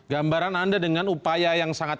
gambaran anda dengan upaya yang sangat